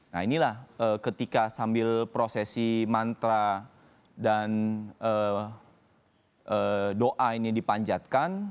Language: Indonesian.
nah inilah ketika sambil prosesi mantra dan doa ini dipanjatkan